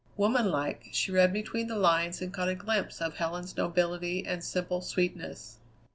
Woman like, she read between the lines and caught a glimpse of Helen's nobility and simple sweetness.